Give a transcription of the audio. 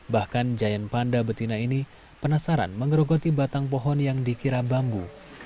bahkan giant panda betina ini penasaran mengerogoti batang pohon yang dikira bambu